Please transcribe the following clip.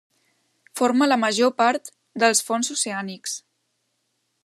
Forma la major part dels fons oceànics.